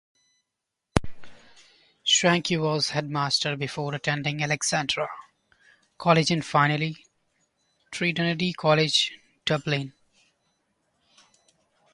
Shankey was headmaster, before attending Alexandra College and finally, Trinity College, Dublin.